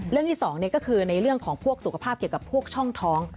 ที่๒ก็คือในเรื่องของพวกสุขภาพเกี่ยวกับพวกช่องท้อง